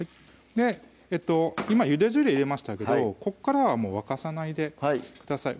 今ゆで汁入れましたけどここからは沸かさないでください